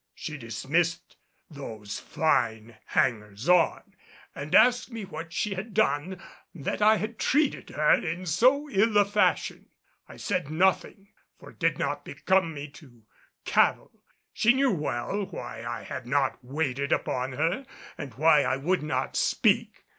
She dismissed those fine hangers on and asked me what she had done that I had treated her in so ill a fashion. I said nothing; for it did not become me to cavil. She knew well why I had not waited upon her, and why I would not speak.